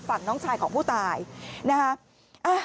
น้องชายของผู้ตายนะฮะ